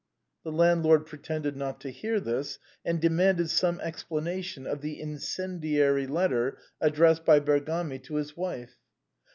The landlord pretended not to hear this, and demanded some explanation of the incendiary letter addressed by Bergami to his wife.